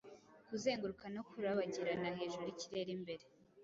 Kuzenguruka no kurabagirana hejuru yikirere imbere